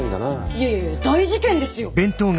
いやいやいや大事件ですよ！